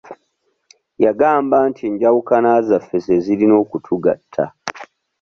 Yagamba nti enjawukana zaffe ze zirina okutugatta.